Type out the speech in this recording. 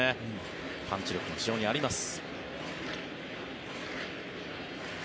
パンチ力も非常にあります。